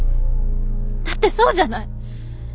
だってそうじゃない。